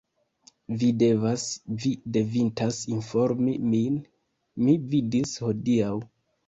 Vi devas, vi devintas informi min. Mi vidis hodiaŭ.